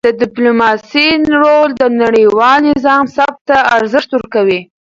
د ډیپلوماسی رول د نړیوال نظام ثبات ته ارزښت ورکوي.